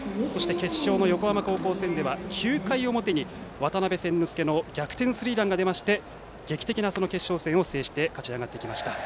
決勝の横浜高校戦では９回表に渡邉千之亮の逆転スリーランがありまして劇的な決勝戦を制して勝ち上がってきました。